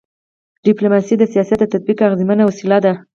ډيپلوماسي د سیاست د تطبیق اغيزمنه وسیله ده.